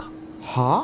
はあ！？